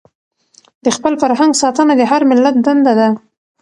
د خپل فرهنګ ساتنه د هر ملت دنده ده.